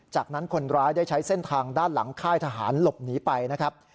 จากนั้นคนร้ายได้ใช้เส้นทางด้านหลังค่ายทหารหลบหนีไปนะครับ